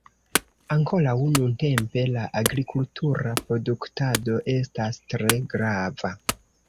Ankoraŭ nuntempe la agrikultura produktado estas tre grava.